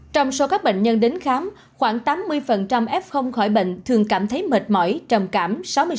trong số các bệnh nhân đến khám khoảng tám mươi f khỏi bệnh thường cảm thấy mệt mỏi trầm cảm